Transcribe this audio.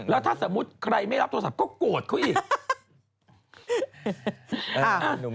แล้วถ้าสมมุติใครไม่รับโทรศัพท์ก็โกรธเขาอีก